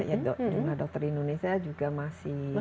jumlah dokter di indonesia juga masih